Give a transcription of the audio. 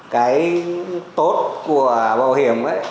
cái tốt của bảo hiểm ấy